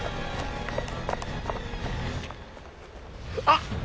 あっ！